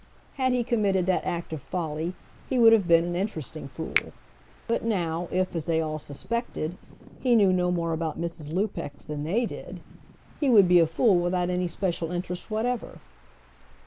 Had he committed that active folly he would have been an interesting fool. But now, if, as they all suspected, he knew no more about Mrs. Lupex than they did, he would be a fool without any special interest whatever.